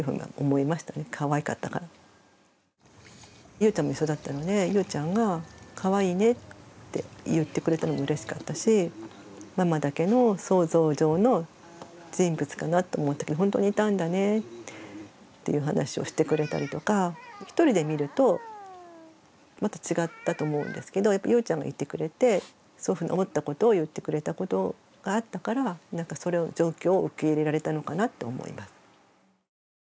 ゆうちゃんも一緒だったのでゆうちゃんが「かわいいね」って言ってくれたのうれしかったしママだけの想像上の人物かなと思ったけど本当にいたんだねっていう話をしてくれたりとか１人で見るとまた違ったと思うんですけどゆうちゃんがいてくれてそういうふうに思ったことを言ってくれたことがあったからなんかその状況を受け入れられたのかなと思います。